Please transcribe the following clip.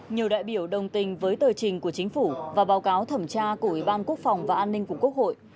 nhiều đại biểu đồng tình với tờ trình của chính phủ và báo cáo thẩm tra của ủy ban quốc phòng và an ninh của quốc hội